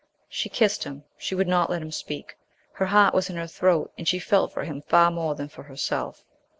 She kissed him, she would not let him speak; her heart was in her throat, and she felt for him far more than for herself.